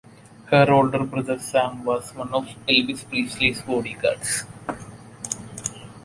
Her older brother, Sam, was one of Elvis Presley's bodyguards.